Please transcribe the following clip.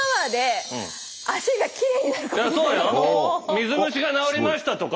水虫が治りましたとか。